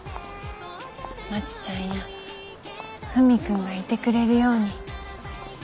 まちちゃんやふみくんがいてくれるように。